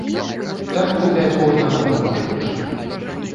Там купляць можна нават паштучна.